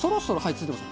付いてます。